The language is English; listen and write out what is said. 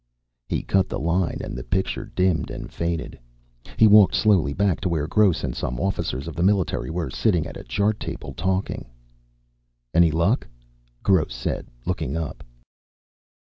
He cut the line and the picture dimmed and faded. He walked slowly back to where Gross and some officers of the Military were sitting at a chart table, talking. "Any luck?" Gross said, looking up.